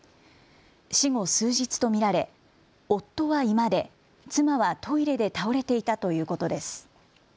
死後数日と見られ夫は居間で、妻はトイレで倒れていたということです。